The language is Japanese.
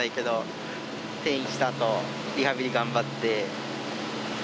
転院したあとリハビリ頑張って。